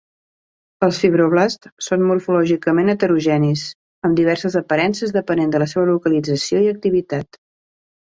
Els fibroblasts són morfològicament heterogenis, amb diverses aparences depenent de la seva localització i activitat.